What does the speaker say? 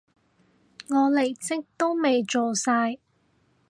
我離職都未做晒